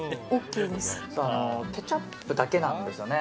ケチャップだけなんですよね。